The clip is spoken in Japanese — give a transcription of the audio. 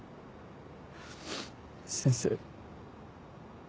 先生。